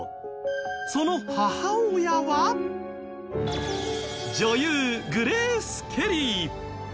その母親は女優グレース・ケリー。